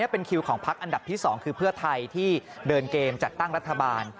เป็นคิวของพักอันดับที่๒คือเพื่อไทยที่เดินเกมจัดตั้งรัฐบาล